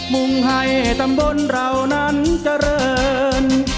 มุ่งให้ตำบลเรานั้นเจริญ